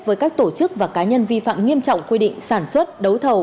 với các tổ chức và cá nhân vi phạm nghiêm trọng quy định sản xuất đấu thầu